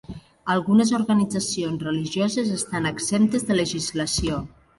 Algunes organitzacions religioses estan exemptes de legislació.